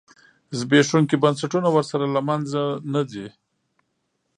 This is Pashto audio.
زبېښونکي بنسټونه ورسره له منځه نه ځي.